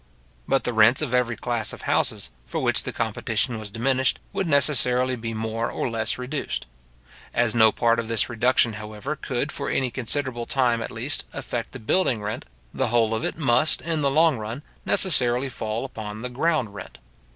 But the rents of every class of houses for which the competition was diminished, would necessarily be more or less reduced. As no part of this reduction, however, could for any considerable time at least, affect the building rent, the whole of it must, in the long run, necessarily fall upon the ground rent.